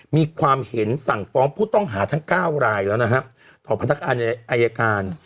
มีความเห็นสั่งฟ้องผู้ต้องหาทั้ง๙รายแล้วนะครับต่อพนักงานอายการ